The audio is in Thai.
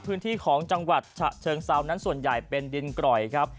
พื้นที่ของจังหวัดฉะเชิงเซานั้นส่วนใหญ่เป็นดินกร่อยครับ